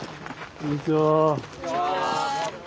こんにちは。